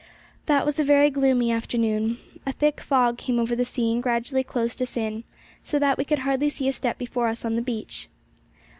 That was a very gloomy afternoon. A thick fog came over the sea and gradually closed us in, so that we could hardly see a step before us on the beach.